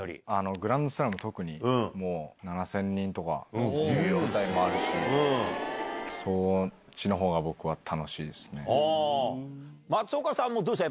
グランドスラム、特に７０００人とかいく場合もあるし、そっちのほうが僕は楽しい松岡さんもどうですか？